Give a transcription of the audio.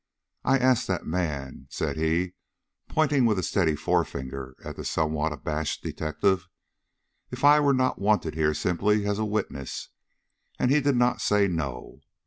"I asked that man," said he, pointing with a steady forefinger at the somewhat abashed detective, "if I were not wanted here simply as a witness, and he did not say No.